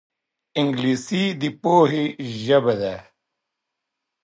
انګلیسي د پوهې ژبه ده